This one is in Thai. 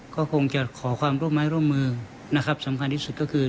ก็คงจะขอความร่วมมือไม้ร่วมมือนะครับสำคัญที่สุดก็คือ